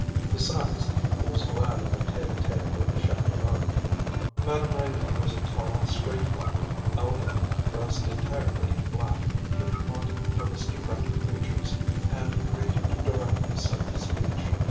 Besides, he was glad of a tête à tête with the chaperone. Madame Reynier was a tall, straight woman, elderly, dressed entirely in black, with gaunt, aristocratic features and great directness of speech.